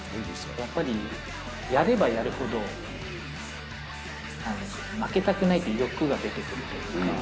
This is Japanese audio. やっぱりやればやるほど、負けたくないっていう欲が出てくるというか。